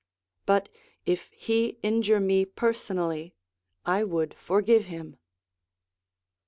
But, if he injure me personally, I would forgive him.